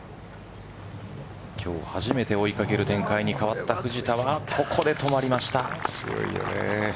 今日初めて追い掛ける展開に変わった藤田はここで止まりました。